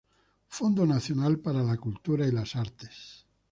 Fondo Nacional para la Cultura y la Artes.